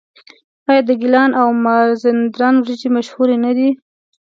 آیا د ګیلان او مازندران وریجې مشهورې نه دي؟